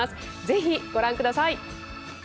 ぜひご覧下さい。